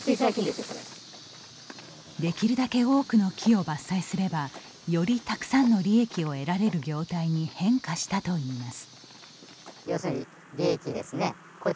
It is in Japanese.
できるだけ多くの木を伐採すればよりたくさんの利益を得られる業態に変化したといいます。